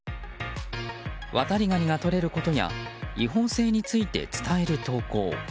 ワタリガニがとれることや違法性について伝える投稿。